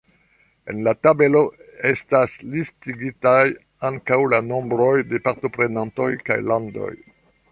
En la tabelo estas listigitaj ankaŭ la nombroj da partoprenantoj kaj landoj.